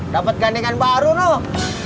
dapet gandingan baru noh